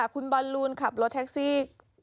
คุณบอลลูนขับรถแท็กซี่